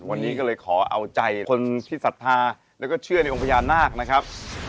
วันนี้ก็เลยขอเอาใจคนที่ศรัทธาแล้วก็เชื่อในองค์พญานาคนะครับ